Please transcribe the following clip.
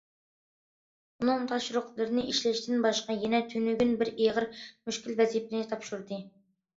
ئۇنىڭ تاپشۇرۇقلىرىنى ئىشلەشتىن باشقا يەنە تۈنۈگۈن بىر ئېغىر مۈشكۈل ۋەزىپىنى تاپشۇردى.